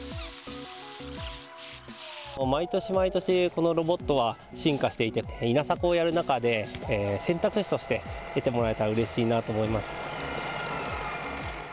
毎年毎年、このロボットは進化していて、稲作をやる中で、選択肢として出てもらえたらうれしいなと思います。